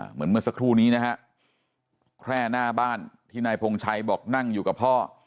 เหมือนเมื่อสักครู่นี้นะฮะแคร่หน้าบ้านที่นายพงชัยบอกนั่งอยู่กับพ่อ